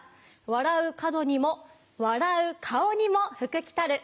笑う門にも笑う顔にも福来たる。